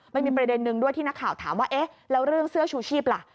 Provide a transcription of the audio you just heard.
มันมีประเด็นนึงด้วยที่นักข่าวถามว่าเอ๊ะแล้วเรื่องเสื้อชูชีพล่ะ